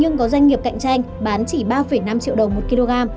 nhưng có doanh nghiệp cạnh tranh bán chỉ ba năm triệu đồng một kg